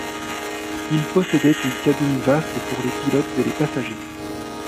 Il possédait une cabine vaste pour les pilotes et les passagers.